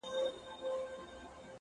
او تر سپين لاس يې يو تور ساعت راتاو دی!!